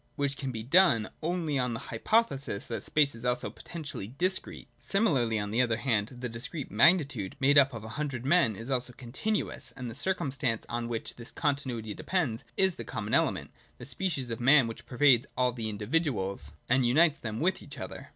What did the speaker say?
which can be done only on the hypo thesis that space is also potentially discrete. Similarly, on the other hand, the discrete magnitude, made up of a hundred men, is also continuous : and the circumstance on which this continuity depends, is the common element, the igo THE DOCTRINE OF BEING. [100 102. species man, which pervades all the individuals and unites them with each other.